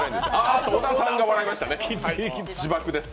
あ、小田さんが笑いましたね、自爆です。